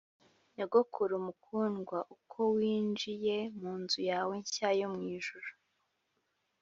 nyogokuru mukundwa, uko winjiye munzu yawe nshya yo mwijuru,